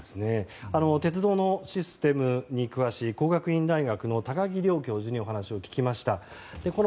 鉄道のシステムに詳しい工学院大学の高木亮教授にお話を聞きました。